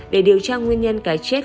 để điều tra nguyên nhân cái chết